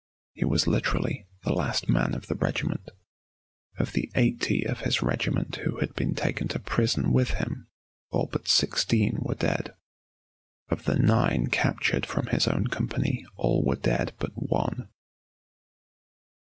He was literally the last man of the regiment. Of the eighty of his regiment who had been taken to prison with him all but sixteen were dead. Of the nine captured from his own company all were dead but one.